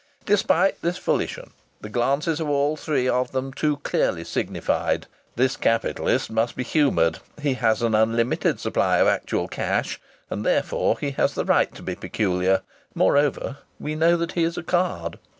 Despite this volition, the glances of all three of them too clearly signified "This capitalist must be humoured. He has an unlimited supply of actual cash, and therefore he has the right to be peculiar. Moreover, we know that he is a card."